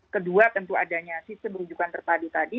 kedua tentu adanya sistem rujukan terpadu tadi